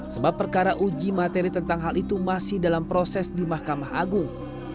sebab perkara uji materi tentang hal itu masih dalam proses di mahkamah agung